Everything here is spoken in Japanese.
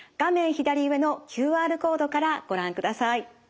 左上のＱＲコードからご覧ください。